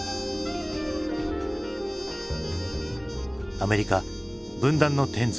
「アメリカ分断の１０ｓ」。